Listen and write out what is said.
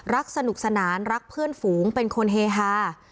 สนุกสนานรักเพื่อนฝูงเป็นคนเฮฮา